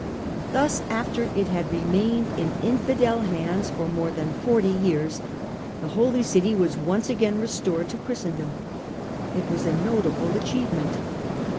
Thus after it had remained in Infidel hands for more than forty years, the Holy City was once again restored to Christendom. It was a notable achievement.